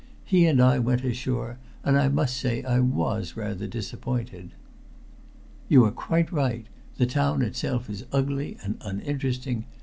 He and I went ashore, and I must say I was rather disappointed." "You are quite right. The town itself is ugly and uninteresting.